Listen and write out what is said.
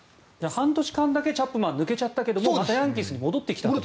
半年間だけチャップマン抜けちゃったけどもまたヤンキースに戻ってきたと。